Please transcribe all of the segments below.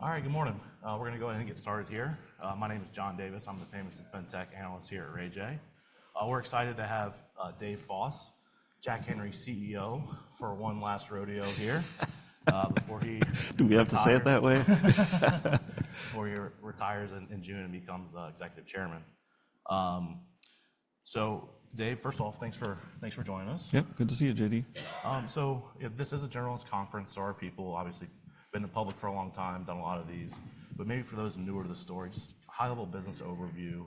All right, good morning. We're going to go ahead and get started here. My name is John Davis. I'm the famous and fun tech analyst here at Raymond James. We're excited to have Dave Foss, Jack Henry's CEO, for one last rodeo here before he. Do we have to say it that way? Before he retires in June and becomes executive chairman. So Dave, first off, thanks for joining us. Yeah, good to see you, JD. This is a generalist conference, so our people obviously have been in the public for a long time, done a lot of these. Maybe for those newer to the story, just a high-level business overview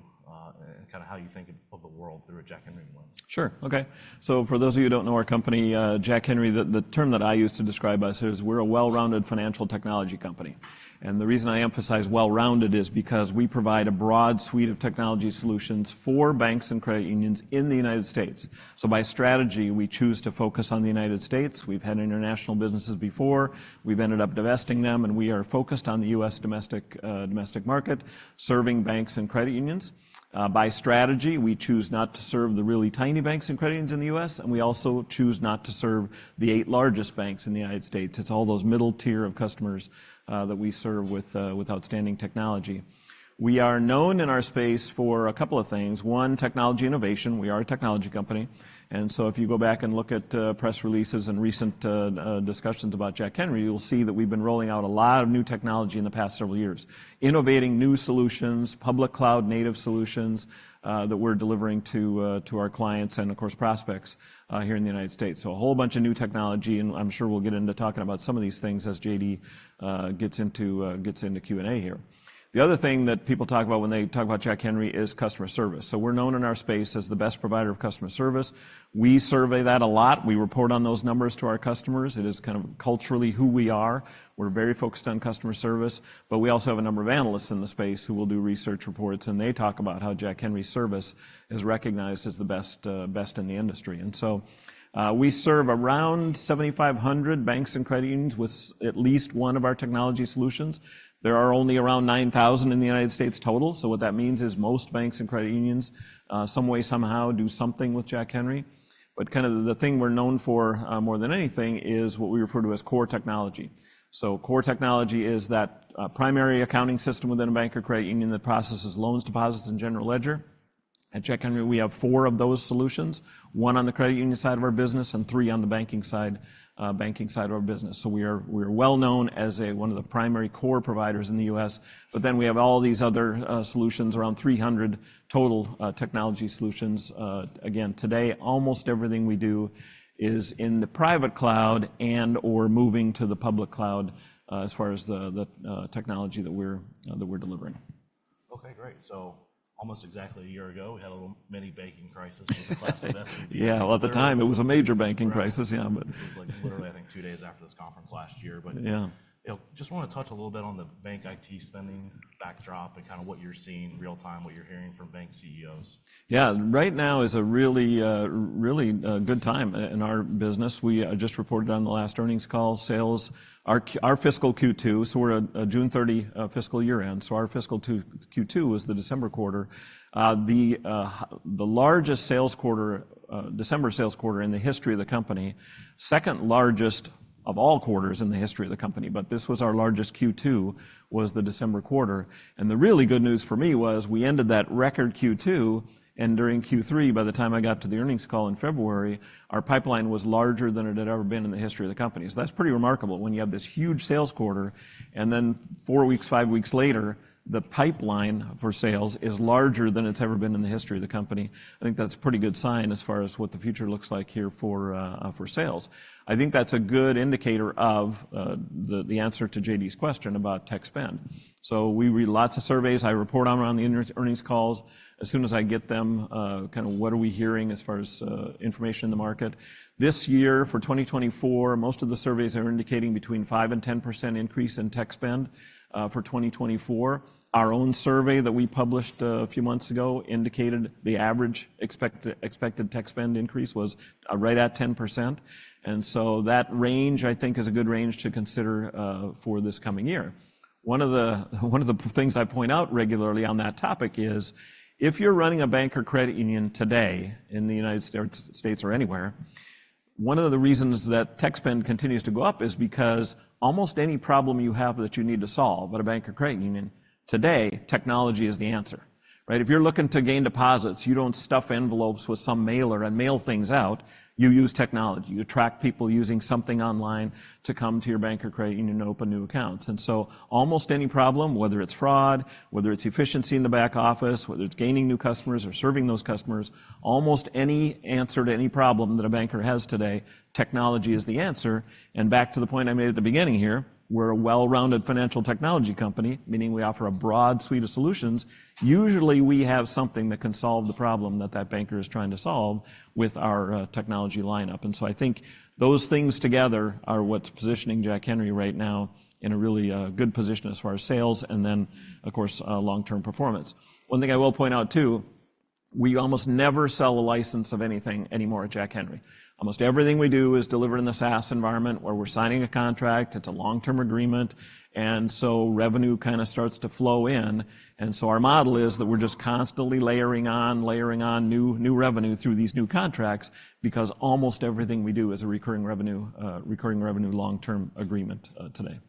and kind of how you think of the world through a Jack Henry lens. Sure, okay. So for those of you who don't know our company, Jack Henry, the term that I use to describe us is we're a well-rounded financial technology company. And the reason I emphasize well-rounded is because we provide a broad suite of technology solutions for banks and credit unions in the United States. So by strategy, we choose to focus on the United States. We've had international businesses before. We've ended up divesting them. And we are focused on the U.S. domestic market, serving banks and credit unions. By strategy, we choose not to serve the really tiny banks and credit unions in the U.S. And we also choose not to serve the eight largest banks in the United States. It's all those middle-tier of customers that we serve with outstanding technology. We are known in our space for a couple of things. One, technology innovation. We are a technology company. And so if you go back and look at press releases and recent discussions about Jack Henry, you'll see that we've been rolling out a lot of new technology in the past several years, innovating new solutions, public cloud-native solutions that we're delivering to our clients and, of course, prospects here in the United States. So a whole bunch of new technology. And I'm sure we'll get into talking about some of these things as JD gets into Q&A here. The other thing that people talk about when they talk about Jack Henry is customer service. So we're known in our space as the best provider of customer service. We survey that a lot. We report on those numbers to our customers. It is kind of culturally who we are. We're very focused on customer service. But we also have a number of analysts in the space who will do research reports. And they talk about how Jack Henry's service is recognized as the best in the industry. And so we serve around 7,500 banks and credit unions with at least one of our technology solutions. There are only around 9,000 in the United States total. So what that means is most banks and credit unions someway, somehow do something with Jack Henry. But kind of the thing we're known for more than anything is what we refer to as core Technology. So core technology is that primary accounting system within a bank or credit union that processes loans, deposits, and general ledger. At Jack Henry, we have four of those solutions, one on the credit union side of our business and three on the banking side of our business. We are well known as one of the primary Core providers in the U.S. But then we have all these other solutions, around 300 total technology solutions. Again, today, almost everything we do is in the Private Cloud and/or moving to the Public Cloud as far as the technology that we're delivering. OK, great. Almost exactly a year ago, we had a little mini banking crisis with the SVB. Yeah, well, at the time, it was a major banking crisis. Yeah, but. This was literally, I think, two days after this conference last year. But just want to touch a little bit on the bank IT spending backdrop and kind of what you're seeing real time, what you're hearing from bank CEOs. Yeah, right now is a really, really good time in our business. We just reported on the last earnings call, sales, our fiscal Q2. So we're at June 30 fiscal year-end. So our fiscal Q2 was the December quarter, the largest sales quarter, December sales quarter in the history of the company, second largest of all quarters in the history of the company. But this was our largest Q2, was the December quarter. And the really good news for me was we ended that record Q2. And during Q3, by the time I got to the earnings call in February, our pipeline was larger than it had ever been in the history of the company. So that's pretty remarkable when you have this huge sales quarter. And then four weeks, five weeks later, the pipeline for sales is larger than it's ever been in the history of the company. I think that's a pretty good sign as far as what the future looks like here for sales. I think that's a good indicator of the answer to JD's question about tech spend. So we read lots of surveys. I report on them around the earnings calls. As soon as I get them, kind of what are we hearing as far as information in the market? This year, for 2024, most of the surveys are indicating between a 5%-10% increase in tech spend for 2024. Our own survey that we published a few months ago indicated the average expected tech spend increase was right at 10%. And so that range, I think, is a good range to consider for this coming year. One of the things I point out regularly on that topic is if you're running a bank or credit union today in the United States or anywhere, one of the reasons that tech spend continues to go up is because almost any problem you have that you need to solve at a bank or credit union, today, technology is the answer. If you're looking to gain deposits, you don't stuff envelopes with some mailer and mail things out. You use technology. You attract people using something online to come to your bank or credit union and open new accounts. And so almost any problem, whether it's fraud, whether it's efficiency in the back office, whether it's gaining new customers or serving those customers, almost any answer to any problem that a banker has today, technology is the answer. Back to the point I made at the beginning here, we're a well-rounded financial technology company, meaning we offer a broad suite of solutions. Usually, we have something that can solve the problem that that banker is trying to solve with our technology lineup. And so I think those things together are what's positioning Jack Henry right now in a really good position as far as sales and then, of course, long-term performance. One thing I will point out, too, we almost never sell a license of anything anymore at Jack Henry. Almost everything we do is delivered in the SaaS environment, where we're signing a contract. It's a long-term agreement. And so revenue kind of starts to flow in. And so our model is that we're just constantly layering on, layering on new revenue through these new contracts because almost everything we do is a recurring revenue, recurring revenue long-term agreement today.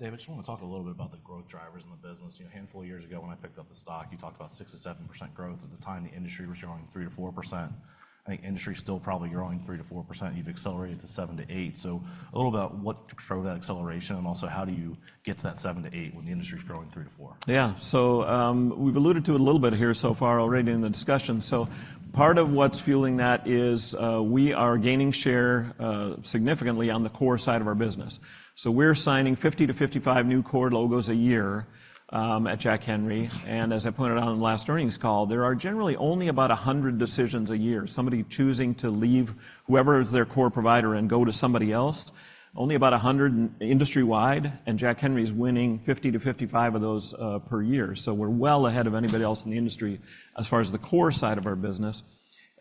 Dave, just want to talk a little bit about the growth drivers in the business. A handful of years ago, when I picked up the stock, you talked about 6%-7% growth. At the time, the industry was growing 3%-4%. I think industry is still probably growing 3%-4%. You've accelerated to 7%-8%. So a little about what drove that acceleration and also how do you get to that 7%-8% when the industry is growing 3%-4%? Yeah, so we've alluded to it a little bit here so far already in the discussion. So part of what's fueling that is we are gaining share significantly on the core side of our business. So we're signing 50%-55% new core logos a year at Jack Henry. And as I pointed out in the last earnings call, there are generally only about 100 decisions a year, somebody choosing to leave whoever is their core provider and go to somebody else, only about 100 industry-wide. And Jack Henry is winning 50%-55% of those per year. So we're well ahead of anybody else in the industry as far as the core side of our business.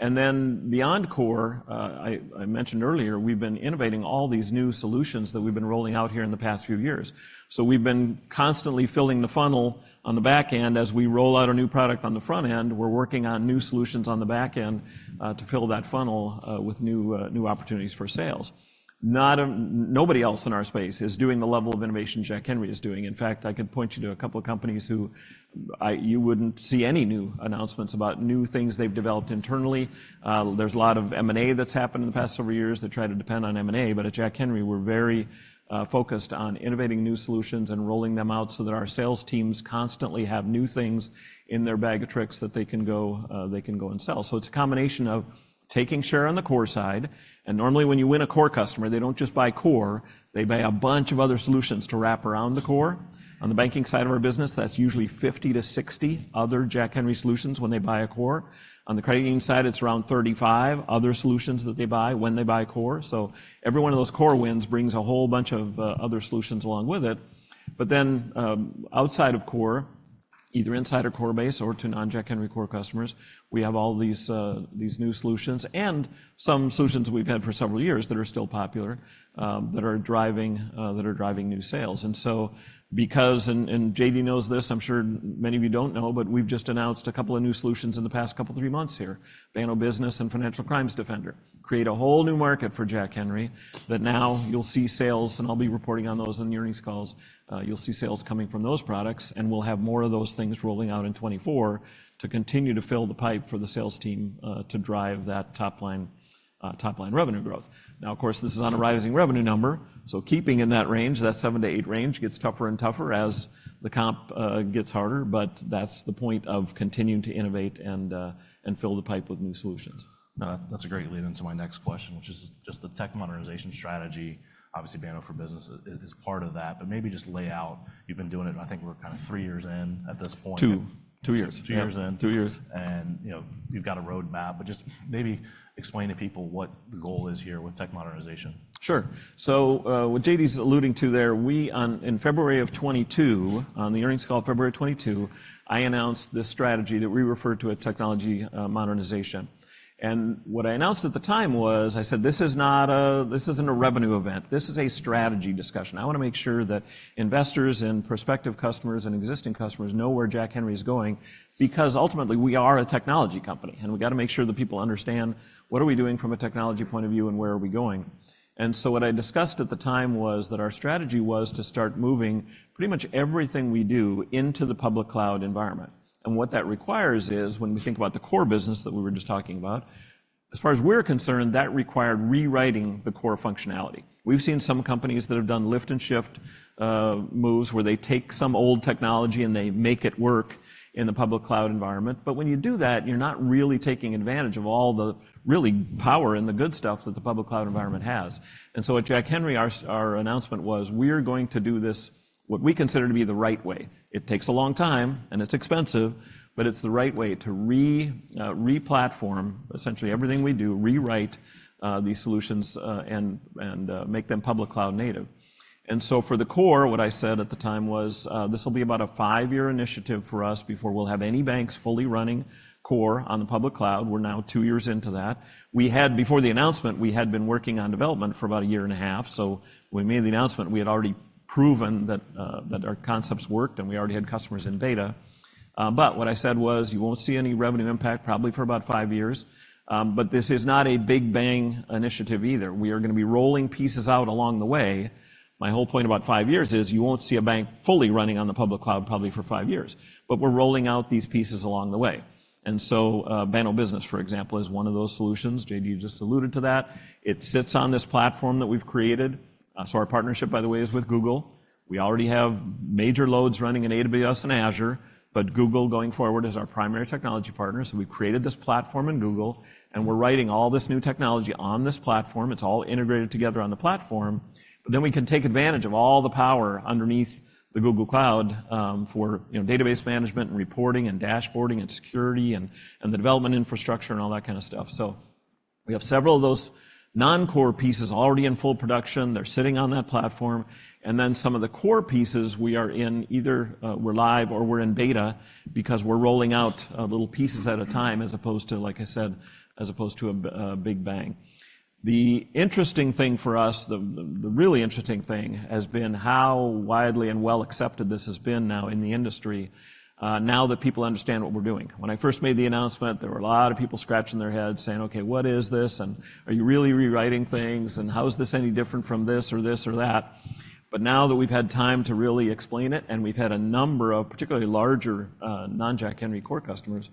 And then beyond core, I mentioned earlier, we've been innovating all these new solutions that we've been rolling out here in the past few years. So we've been constantly filling the funnel on the back end. As we roll out a new product on the front end, we're working on new solutions on the back end to fill that funnel with new opportunities for sales. Nobody else in our space is doing the level of innovation Jack Henry is doing. In fact, I could point you to a couple of companies who you wouldn't see any new announcements about, new things they've developed internally. There's a lot of M&A that's happened in the past several years that try to depend on M&A. But at Jack Henry, we're very focused on innovating new solutions and rolling them out so that our sales teams constantly have new things in their bag of tricks that they can go and sell. So it's a combination of taking share on the core side. Normally, when you win a core customer, they don't just buy core. They buy a bunch of other solutions to wrap around the core. On the banking side of our business, that's usually 50%-60% other Jack Henry solutions when they buy a core. On the credit union side, it's around 35% other solutions that they buy when they buy a core. So every one of those core wins brings a whole bunch of other solutions along with it. But then outside of core, either inside our core base or to non-Jack Henry core customers, we have all these new solutions and some solutions that we've had for several years that are still popular, that are driving new sales. And so because and JD knows this. I'm sure many of you don't know. But we've just announced a couple of new solutions in the past couple, three months here, Banno Business and Financial Crimes Defender, create a whole new market for Jack Henry that now you'll see sales. And I'll be reporting on those in the earnings calls. You'll see sales coming from those products. And we'll have more of those things rolling out in 2024 to continue to fill the pipe for the sales team to drive that top-line revenue growth. Now, of course, this is on a rising revenue number. So keeping in that range, that 7%-8% range, gets tougher and tougher as the comp gets harder. But that's the point of continuing to innovate and fill the pipe with new solutions. No, that's a great lead-in to my next question, which is just the tech modernization strategy. Obviously, Banno Business is part of that. Maybe just lay out you've been doing it. I think we're kind of three years in at this point. Two years. Two years in. Two years. You've got a roadmap. Just maybe explain to people what the goal is here with tech modernization. Sure. So what JD's alluding to there, we, in February of 2022, on the earnings call of February 2022, I announced this strategy that we refer to as technology modernization. And what I announced at the time was I said, this isn't a revenue event. This is a strategy discussion. I want to make sure that investors and prospective customers and existing customers know where Jack Henry is going because ultimately, we are a technology company. And we've got to make sure that people understand what are we doing from a technology point of view and where are we going. And so what I discussed at the time was that our strategy was to start moving pretty much everything we do into the public cloud environment. What that requires is when we think about the core business that we were just talking about, as far as we're concerned, that required rewriting the core functionality. We've seen some companies that have done lift and shift moves where they take some old technology and they make it work in the Public Cloud environment. But when you do that, you're not really taking advantage of all the real power and the good stuff that the Public Cloud environment has. And so at Jack Henry, our announcement was, we are going to do this what we consider to be the right way. It takes a long time. And it's expensive. But it's the right way to replatform essentially everything we do, rewrite these solutions, and make them Public Cloud-native. For the core, what I said at the time was, this will be about a 5-year initiative for us before we'll have any banks fully running core on the public cloud. We're now 2 years into that. Before the announcement, we had been working on development for about a year and a half. So when we made the announcement, we had already proven that our concepts worked. And we already had customers in beta. But what I said was, you won't see any revenue impact probably for about 5 years. But this is not a big bang initiative either. We are going to be rolling pieces out along the way. My whole point about 5 years is you won't see a bank fully running on the public cloud probably for 5 years. But we're rolling out these pieces along the way. Banno Business, for example, is one of those solutions. JD just alluded to that. It sits on this platform that we've created. Our partnership, by the way, is with Google. We already have major workloads running in AWS and Azure. But Google, going forward, is our primary technology partner. So we've created this platform in Google. And we're writing all this new technology on this platform. It's all integrated together on the platform. But then we can take advantage of all the power underneath the Google Cloud for database management and reporting and dashboarding and security and the development infrastructure and all that kind of stuff. So we have several of those non-core pieces already in full production. They're sitting on that platform. And then some of the core pieces, we are either live or we're in beta because we're rolling out little pieces at a time as opposed to, like I said, as opposed to a big bang. The interesting thing for us, the really interesting thing, has been how widely and well accepted this has been now in the industry, now that people understand what we're doing. When I first made the announcement, there were a lot of people scratching their heads saying, OK, what is this? And are you really rewriting things? And how is this any different from this or this or that? But now that we've had time to really explain it and we've had a number of particularly larger non-Jack Henry core customers,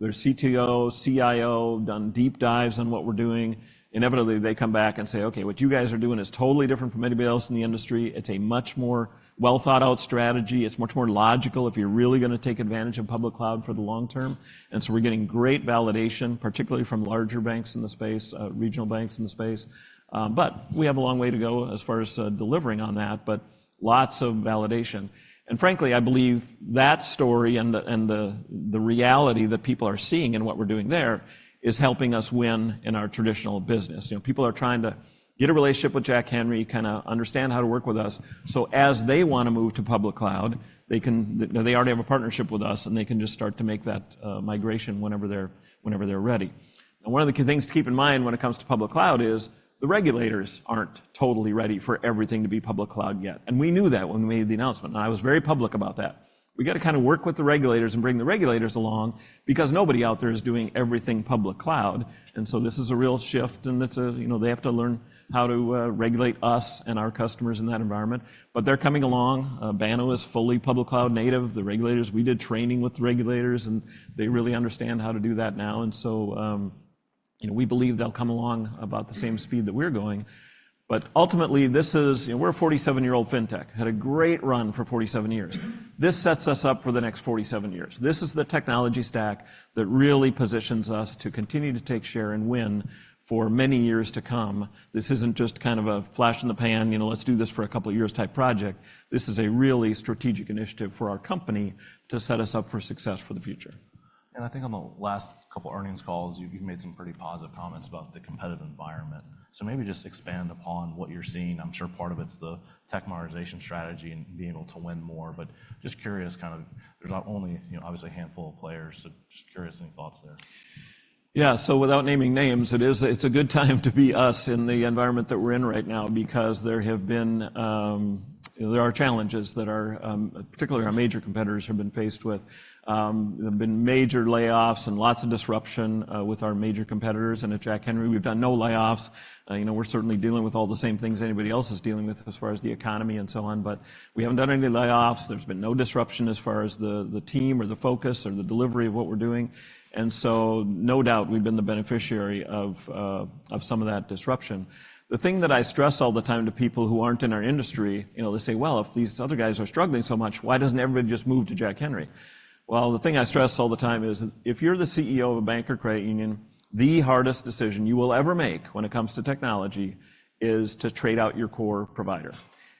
their CTO, CIO, done deep dives on what we're doing, inevitably, they come back and say, OK, what you guys are doing is totally different from anybody else in the industry. It's a much more well-thought-out strategy. It's much more logical if you're really going to take advantage of public cloud for the long term. And so we're getting great validation, particularly from larger banks in the space, regional banks in the space. But we have a long way to go as far as delivering on that, but lots of validation. And frankly, I believe that story and the reality that people are seeing in what we're doing there is helping us win in our traditional business. People are trying to get a relationship with Jack Henry, kind of understand how to work with us. So as they want to move to public cloud, they already have a partnership with us. And they can just start to make that migration whenever they're ready. Now, one of the things to keep in mind when it comes to public cloud is the regulators aren't totally ready for everything to be public cloud yet. And we knew that when we made the announcement. And I was very public about that. We've got to kind of work with the regulators and bring the regulators along because nobody out there is doing everything public cloud. And so this is a real shift. And they have to learn how to regulate us and our customers in that environment. But they're coming along. Banno is fully public cloud-native. The regulators, we did training with the regulators. They really understand how to do that now. We believe they'll come along about the same speed that we're going. But ultimately, this is, we're a 47-year-old fintech, had a great run for 47 years. This sets us up for the next 47 years. This is the technology stack that really positions us to continue to take share and win for many years to come. This isn't just kind of a flash in the pan, let's do this for a couple of years type project. This is a really strategic initiative for our company to set us up for success for the future. I think on the last couple of earnings calls, you've made some pretty positive comments about the competitive environment. So maybe just expand upon what you're seeing. I'm sure part of it's the tech modernization strategy and being able to win more. But just curious, kind of there's not only, obviously, a handful of players. So just curious any thoughts there. Yeah, so without naming names, it's a good time to be us in the environment that we're in right now because there are challenges that particularly our major competitors have been faced with. There have been major layoffs and lots of disruption with our major competitors. And at Jack Henry, we've done no layoffs. We're certainly dealing with all the same things anybody else is dealing with as far as the economy and so on. But we haven't done any layoffs. There's been no disruption as far as the team or the focus or the delivery of what we're doing. And so no doubt, we've been the beneficiary of some of that disruption. The thing that I stress all the time to people who aren't in our industry, they say, well, if these other guys are struggling so much, why doesn't everybody just move to Jack Henry? Well, the thing I stress all the time is if you're the CEO of a bank or credit union, the hardest decision you will ever make when it comes to technology is to trade out your core provider.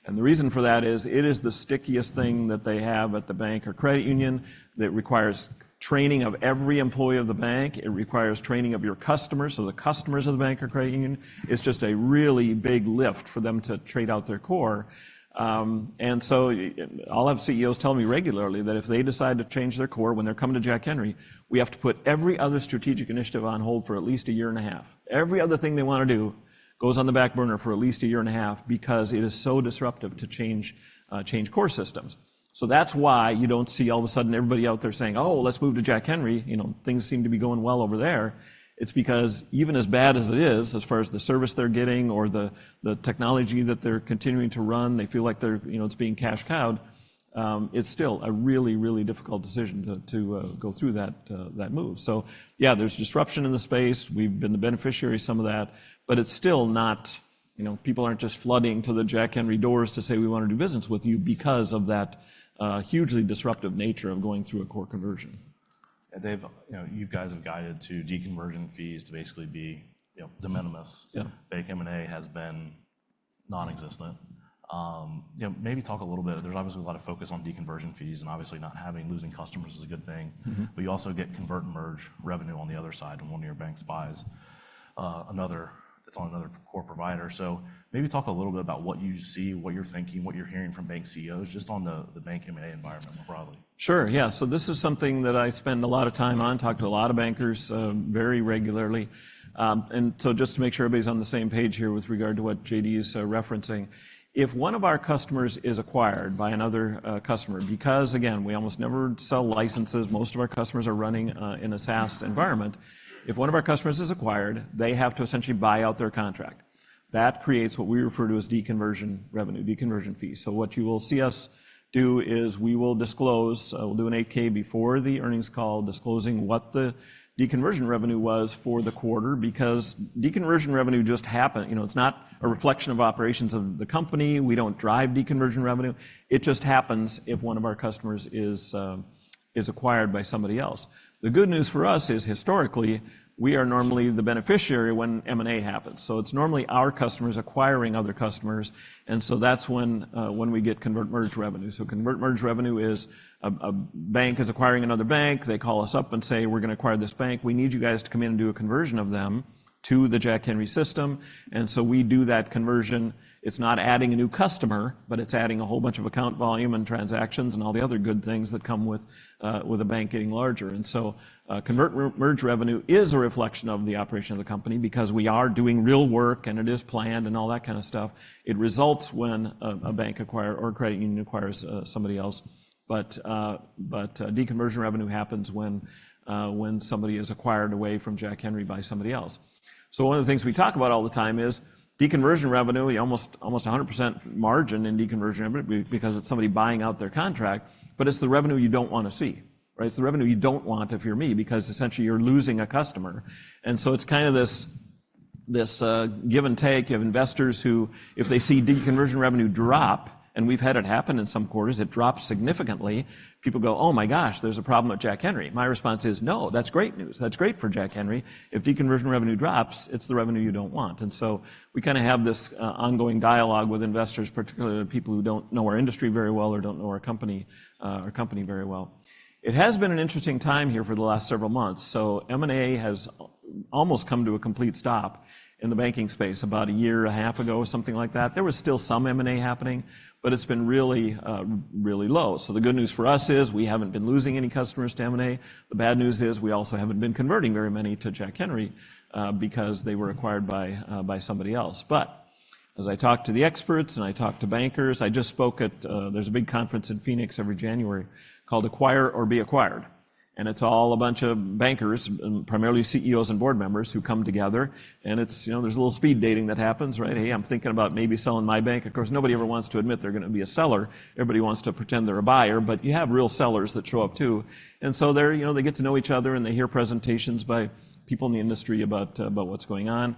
The reason for that is it is the stickiest thing that they have at the bank or credit union. That requires training of every employee of the bank. It requires training of your customers, so the customers of the bank or credit union. It's just a really big lift for them to trade out their core. So I'll have CEOs tell me regularly that if they decide to change their core when they're coming to Jack Henry, we have to put every other strategic initiative on hold for at least a year and a half. Every other thing they want to do goes on the back burner for at least a year and a half because it is so disruptive to change core systems. So that's why you don't see all of a sudden everybody out there saying, oh, let's move to Jack Henry. Things seem to be going well over there. It's because even as bad as it is, as far as the service they're getting or the technology that they're continuing to run, they feel like it's being cash-cowed. It's still a really, really difficult decision to go through that move. So yeah, there's disruption in the space. We've been the beneficiary of some of that. But it's still not, people aren't just flooding to the Jack Henry doors to say, we want to do business with you because of that hugely disruptive nature of going through a core conversion. You guys have guided to deconversion fees to basically be de minimis. Bank M&A has been nonexistent. Maybe talk a little bit. There's obviously a lot of focus on deconversion fees. And obviously, losing customers is a good thing. But you also get convert and merge revenue on the other side. And one of your banks buys another that's on another core provider. So maybe talk a little bit about what you see, what you're thinking, what you're hearing from bank CEOs just on the bank M&A environment more broadly. Sure, yeah. So this is something that I spend a lot of time on. Talk to a lot of bankers very regularly. And so just to make sure everybody's on the same page here with regard to what JD is referencing, if one of our customers is acquired by another customer because, again, we almost never sell licenses. Most of our customers are running in a SaaS environment. If one of our customers is acquired, they have to essentially buy out their contract. That creates what we refer to as deconversion revenue, deconversion fees. So what you will see us do is we will disclose we'll do an 8-K before the earnings call disclosing what the deconversion revenue was for the quarter because deconversion revenue just happened. It's not a reflection of operations of the company. We don't drive deconversion revenue. It just happens if one of our customers is acquired by somebody else. The good news for us is, historically, we are normally the beneficiary when M&A happens. So it's normally our customers acquiring other customers. And so that's when we get convert merge revenue. So convert merge revenue is a bank is acquiring another bank. They call us up and say, we're going to acquire this bank. We need you guys to come in and do a conversion of them to the Jack Henry system. And so we do that conversion. It's not adding a new customer. But it's adding a whole bunch of account volume and transactions and all the other good things that come with a bank getting larger. And so convert merge revenue is a reflection of the operation of the company because we are doing real work. And it is planned and all that kind of stuff. It results when a bank or credit union acquires somebody else. But deconversion revenue happens when somebody is acquired away from Jack Henry by somebody else. So one of the things we talk about all the time is deconversion revenue, almost 100% margin in deconversion revenue because it's somebody buying out their contract. But it's the revenue you don't want to see. It's the revenue you don't want if you're me because essentially, you're losing a customer. And so it's kind of this give and take of investors who, if they see deconversion revenue drop and we've had it happen in some quarters, it drops significantly, people go, oh my gosh, there's a problem with Jack Henry. My response is, no, that's great news. That's great for Jack Henry. If deconversion revenue drops, it's the revenue you don't want. So we kind of have this ongoing dialogue with investors, particularly people who don't know our industry very well or don't know our company very well. It has been an interesting time here for the last several months. M&A has almost come to a complete stop in the banking space about a year and a half ago, something like that. There was still some M&A happening. But it's been really, really low. The good news for us is we haven't been losing any customers to M&A. The bad news is we also haven't been converting very many to Jack Henry because they were acquired by somebody else. But as I talk to the experts and I talk to bankers, I just spoke at. There's a big conference in Phoenix every January called Acquire or Be Acquired. It's all a bunch of bankers, primarily CEOs and board members, who come together. There's a little speed dating that happens, right? Hey, I'm thinking about maybe selling my bank. Of course, nobody ever wants to admit they're going to be a seller. Everybody wants to pretend they're a buyer. But you have real sellers that show up, too. So they get to know each other. They hear presentations by people in the industry about what's going on.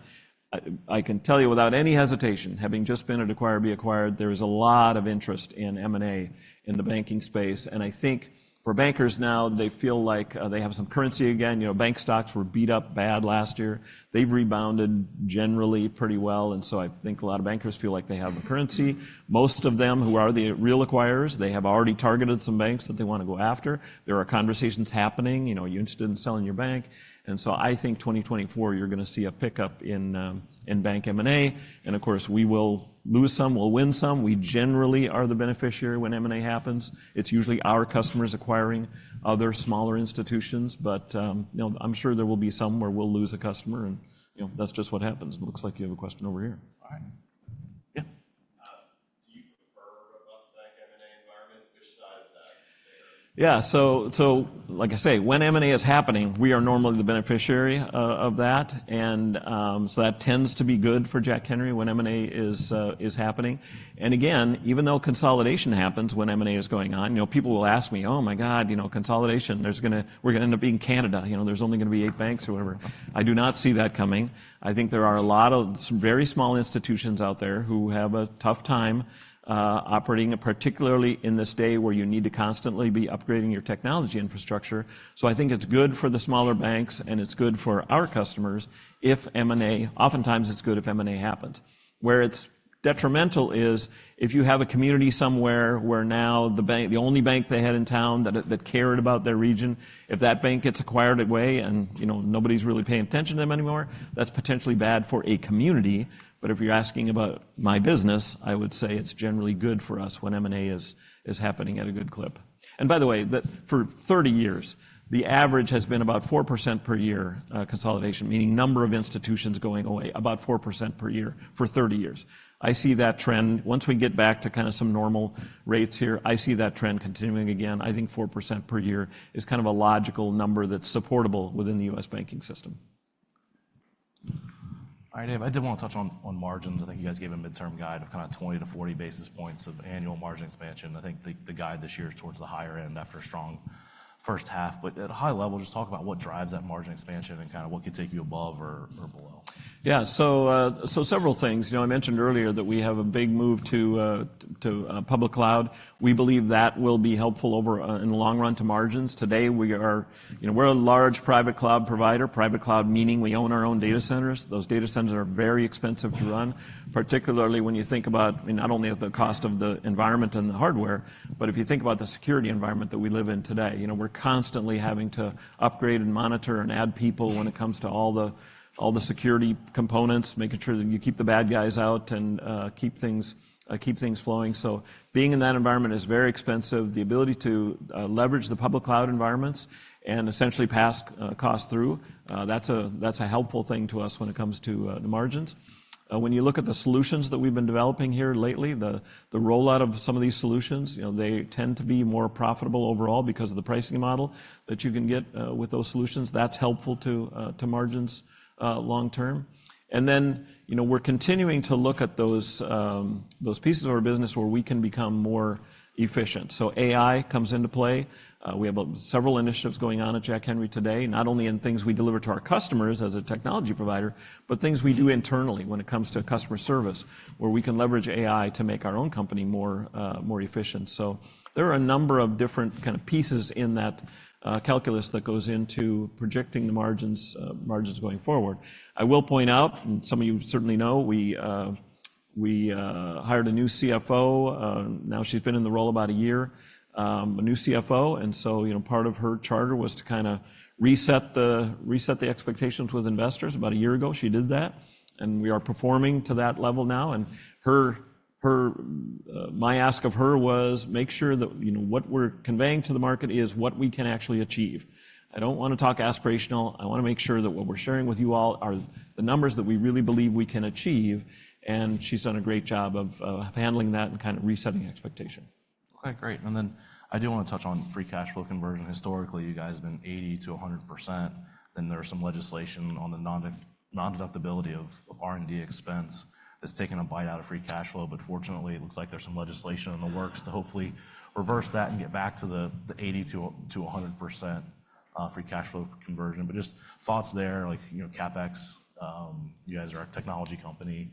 I can tell you without any hesitation, having just been at Acquire or Be Acquired, there is a lot of interest in M&A in the banking space. I think for bankers now, they feel like they have some currency again. Bank stocks were beat up bad last year. They've rebounded generally pretty well. So I think a lot of bankers feel like they have the currency. Most of them who are the real acquirers, they have already targeted some banks that they want to go after. There are conversations happening. You're interested in selling your bank. And so I think 2024, you're going to see a pickup in bank M&A. And of course, we will lose some. We'll win some. We generally are the beneficiary when M&A happens. It's usually our customers acquiring other smaller institutions. But I'm sure there will be some where we'll lose a customer. And that's just what happens. It looks like you have a question over here. All right. Yeah. Do you prefer a busier bank M&A environment? Which side of that do you favor? Yeah, so like I say, when M&A is happening, we are normally the beneficiary of that. And so that tends to be good for Jack Henry when M&A is happening. And again, even though consolidation happens when M&A is going on, people will ask me, oh my god, consolidation, we're going to end up being Canada. There's only going to be eight banks or whatever. I do not see that coming. I think there are a lot of some very small institutions out there who have a tough time operating, particularly in this day where you need to constantly be upgrading your technology infrastructure. So I think it's good for the smaller banks. And it's good for our customers if M&A. Oftentimes, it's good if M&A happens. Where it's detrimental is if you have a community somewhere where now the only bank they had in town that cared about their region, if that bank gets acquired away and nobody's really paying attention to them anymore, that's potentially bad for a community. But if you're asking about my business, I would say it's generally good for us when M&A is happening at a good clip. And by the way, for 30 years, the average has been about 4% per year consolidation, meaning number of institutions going away, about 4% per year for 30 years. I see that trend. Once we get back to kind of some normal rates here, I see that trend continuing again. I think 4% per year is kind of a logical number that's supportable within the U.S. banking system. All right, Dave. I did want to touch on margins. I think you guys gave a midterm guide of kind of 20-40 basis points of annual margin expansion. I think the guide this year is towards the higher end after a strong first half. But at a high level, just talk about what drives that margin expansion and kind of what could take you above or below? Yeah, so several things. I mentioned earlier that we have a big move to Public Cloud. We believe that will be helpful in the long run to margins. Today, we are a large Private Cloud provider, Private Cloud meaning we own our own data centers. Those data centers are very expensive to run, particularly when you think about not only at the cost of the environment and the hardware, but if you think about the security environment that we live in today. We're constantly having to upgrade and monitor and add people when it comes to all the security components, making sure that you keep the bad guys out and keep things flowing. So being in that environment is very expensive. The ability to leverage the Public Cloud environments and essentially pass cost through, that's a helpful thing to us when it comes to the margins. When you look at the solutions that we've been developing here lately, the rollout of some of these solutions, they tend to be more profitable overall because of the pricing model that you can get with those solutions. That's helpful to margins long term. Then we're continuing to look at those pieces of our business where we can become more efficient. AI comes into play. We have several initiatives going on at Jack Henry today, not only in things we deliver to our customers as a technology provider, but things we do internally when it comes to customer service where we can leverage AI to make our own company more efficient. There are a number of different kind of pieces in that calculus that goes into projecting the margins going forward. I will point out, and some of you certainly know, we hired a new CFO. Now she's been in the role about a year, a new CFO. And so part of her charter was to kind of reset the expectations with investors. About a year ago, she did that. And we are performing to that level now. And my ask of her was, make sure that what we're conveying to the market is what we can actually achieve. I don't want to talk aspirational. I want to make sure that what we're sharing with you all are the numbers that we really believe we can achieve. And she's done a great job of handling that and kind of resetting expectation. OK, great. And then I do want to touch on free cash flow conversion. Historically, you guys have been 80%-100%. Then there's some legislation on the non-deductibility of R&D expense that's taken a bite out of free cash flow. But fortunately, it looks like there's some legislation in the works to hopefully reverse that and get back to the 80%-100% free cash flow conversion. But just thoughts there, like CapEx. You guys are a technology company.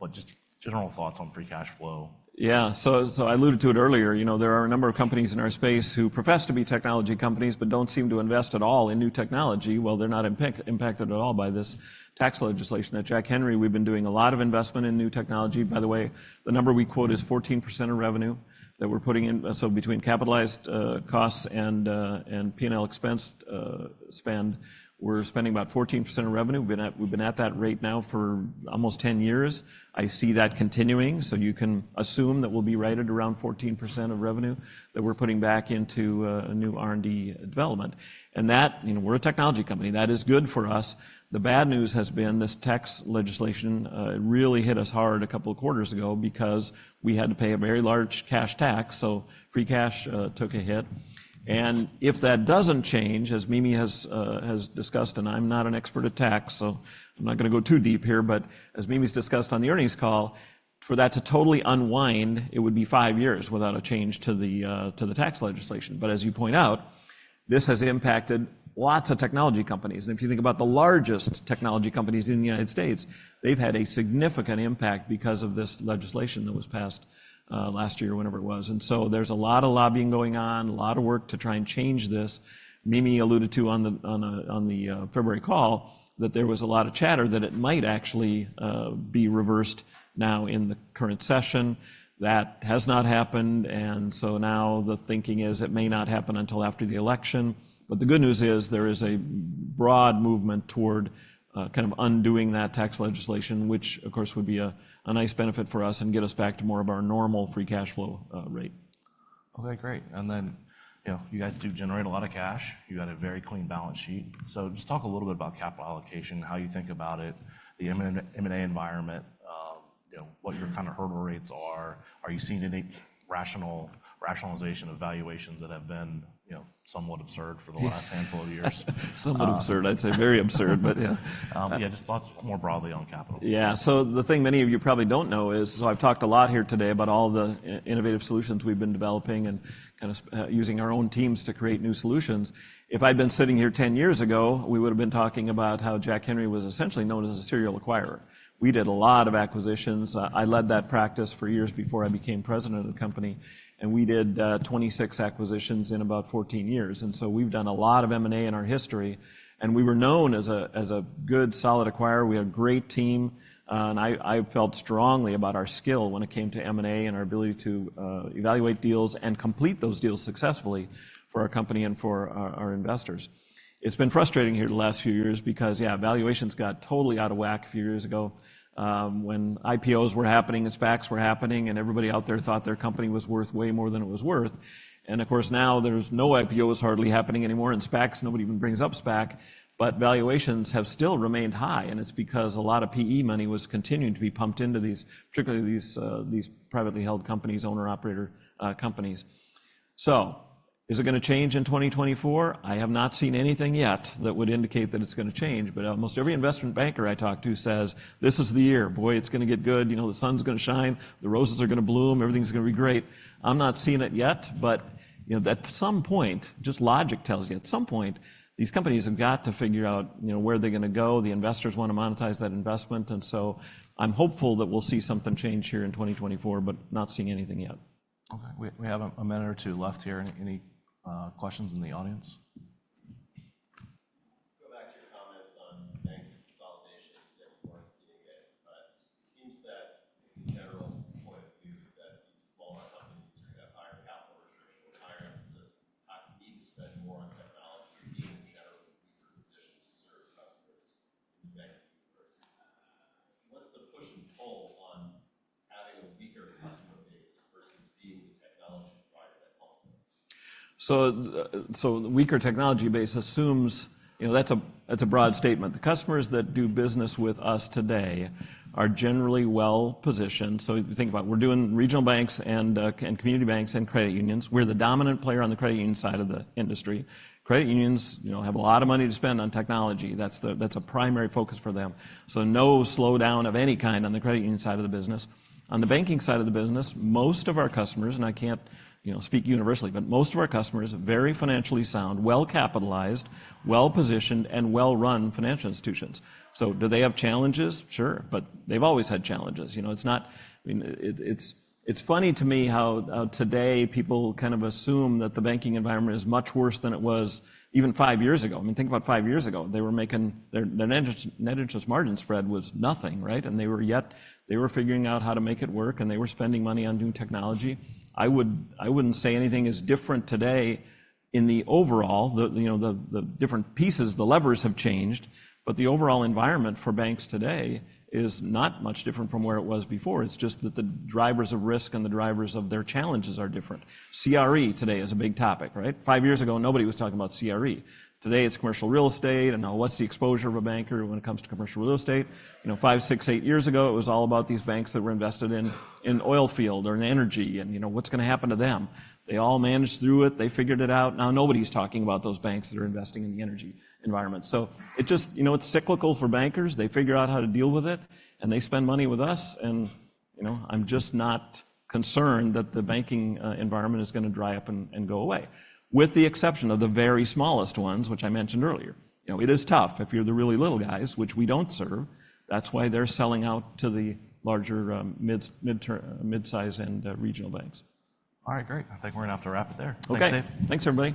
But just general thoughts on free cash flow. Yeah, so I alluded to it earlier. There are a number of companies in our space who profess to be technology companies but don't seem to invest at all in new technology while they're not impacted at all by this tax legislation. At Jack Henry, we've been doing a lot of investment in new technology. By the way, the number we quote is 14% of revenue that we're putting in. So between capitalized costs and P&L expense spend, we're spending about 14% of revenue. We've been at that rate now for almost 10 years. I see that continuing. So you can assume that we'll be right at around 14% of revenue that we're putting back into new R&D development. And we're a technology company. That is good for us. The bad news has been this tax legislation really hit us hard a couple of quarters ago because we had to pay a very large cash tax. So free cash took a hit. And if that doesn't change, as Mimi has discussed, and I'm not an expert at tax, so I'm not going to go too deep here. But as Mimi's discussed on the earnings call, for that to totally unwind, it would be five years without a change to the tax legislation. But as you point out, this has impacted lots of technology companies. And if you think about the largest technology companies in the United States, they've had a significant impact because of this legislation that was passed last year or whenever it was. And so there's a lot of lobbying going on, a lot of work to try and change this. Mimi alluded to on the February call that there was a lot of chatter that it might actually be reversed now in the current session. That has not happened. So now the thinking is it may not happen until after the election. The good news is there is a broad movement toward kind of undoing that tax legislation, which, of course, would be a nice benefit for us and get us back to more of our normal free cash flow rate. OK, great. Then you guys do generate a lot of cash. You've got a very clean balance sheet. Just talk a little bit about capital allocation, how you think about it, the M&A environment, what your kind of hurdle rates are. Are you seeing any rationalization of valuations that have been somewhat absurd for the last handful of years? Somewhat absurd, I'd say very absurd. But yeah. Yeah, just thoughts more broadly on capital. Yeah, so the thing many of you probably don't know is so I've talked a lot here today about all the innovative solutions we've been developing and kind of using our own teams to create new solutions. If I'd been sitting here 10 years ago, we would have been talking about how Jack Henry was essentially known as a serial acquirer. We did a lot of acquisitions. I led that practice for years before I became president of the company. And we did 26 acquisitions in about 14 years. And so we've done a lot of M&A in our history. And we were known as a good, solid acquirer. We had a great team. And I felt strongly about our skill when it came to M&A and our ability to evaluate deals and complete those deals successfully for our company and for our investors. It's been frustrating here the last few years because, yeah, valuations got totally out of whack a few years ago when IPOs were happening and SPACs were happening. And everybody out there thought their company was worth way more than it was worth. And of course, now there's no IPOs hardly happening anymore. And SPACs, nobody even brings up SPAC. But valuations have still remained high. And it's because a lot of PE money was continuing to be pumped into particularly these privately held companies, owner-operator companies. So is it going to change in 2024? I have not seen anything yet that would indicate that it's going to change. But almost every investment banker I talk to says, this is the year. Boy, it's going to get good. The sun's going to shine. The roses are going to bloom. Everything's going to be great. I'm not seeing it yet. But at some point, just logic tells you, at some point, these companies have got to figure out where they're going to go. The investors want to monetize that investment. And so I'm hopeful that we'll see something change here in 2024, but not seeing anything yet. OK, we have a minute or two left here. Any questions in the audience? Go and I can't speak universally, but most of our customers are very financially sound, well-capitalized, well-positioned, and well-run financial institutions. So do they have challenges? Sure. But they've always had challenges. It's funny to me how today people kind of assume that the banking environment is much worse than it was even five years ago. I mean, think about five years ago. Their net Interest Margin spread was nothing, right? And they were figuring out how to make it work. And they were spending money on new technology. I wouldn't say anything is different today in the overall. The different pieces, the levers have changed. But the overall environment for banks today is not much different from where it was before. It's just that the drivers of risk and the drivers of their challenges are different. CRE today is a big topic, right? Five years ago, nobody was talking about CRE. Today, it's commercial real estate. And now what's the exposure of a banker when it comes to commercial real estate? Five, six, eight years ago, it was all about these banks that were invested in an oil field or in energy and what's going to happen to them. They all managed through it. They figured it out. Now nobody's talking about those banks that are investing in the energy environment. So it's cyclical for bankers. They figure out how to deal with it. And they spend money with us. And I'm just not concerned that the banking environment is going to dry up and go away, with the exception of the very smallest ones, which I mentioned earlier. It is tough if you're the really little guys, which we don't serve. That's why they're selling out to the larger mid-size and regional banks. All right, great. I think we're going to have to wrap it there. Thanks, Dave. OK, thanks, everybody.